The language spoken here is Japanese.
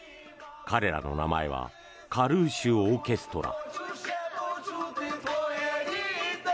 彼らの名前はカルーシュ・オーケストラ。